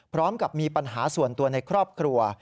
พร้อมกับมีปัญหาส่วนตัวในครอบครัว